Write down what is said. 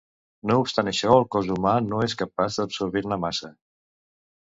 No obstant això, el cos humà no és capaç d'absorbir-ne massa.